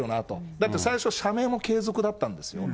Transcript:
だって最初社名も継続だったんですよ。